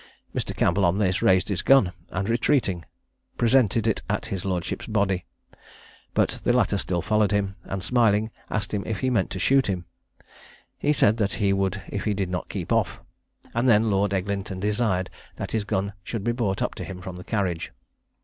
Mr. Campbell on this raised his gun, and retreating, presented it at his lordship's body; but the latter still followed him, and smiling, asked him if he meant to shoot him. He said that he would if he did not keep off, and then Lord Eglinton desired that his gun should be brought to him from the carriage.